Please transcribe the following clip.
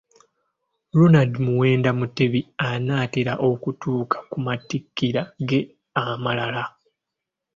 Ronald Muwenda mutebi anaatera okutuuka ku mattikira ge amalala.